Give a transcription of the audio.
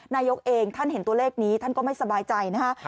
นายกเองท่านเห็นตัวเลขนี้ท่านก็ไม่สบายใจนะฮะ